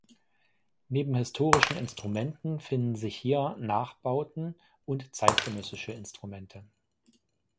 Neben historischen Instrumenten finden sich hier Nachbauten und zeitgenössische Instrumente.